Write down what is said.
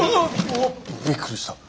おびっくりした。